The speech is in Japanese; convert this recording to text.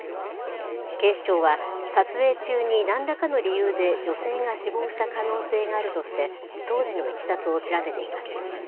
警視庁は撮影中になんらかの理由で女性が死亡した可能性があるとして、当時のいきさつを調べています。